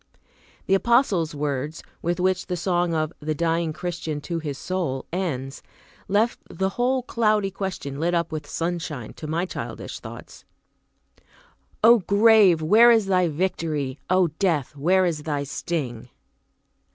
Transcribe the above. The Apostle's words, with which the song of "The Dying Christian to his Soul" ends, left the whole cloudy question lit up with sunshine, to my childish thoughts: "O grave, where is thy 'victory? O death, where is thy sting?"